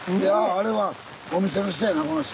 あれはお店の人やなこの人。